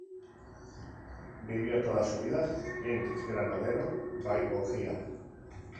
Vivió toda su vida en Granadero Baigorria.